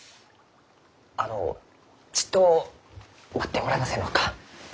あのちっと待ってもらえませんろうか？